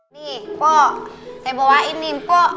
nih kok saya bawain nih mpok